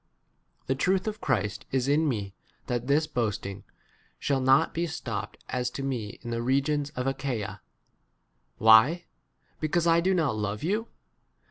[The] truth of Christ is in me that this boasting shall not be stopped as to me in the regions of Achaia. 11 Why ? because I do not love you